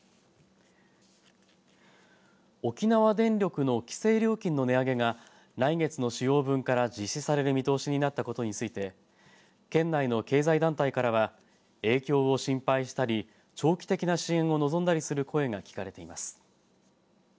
沖縄電力の規制料金の値上げが来月の使用分から実施される見通しになったことについて県内の経済団体からは影響を心配したり長期的な支援を望んだりする声が聞かれています。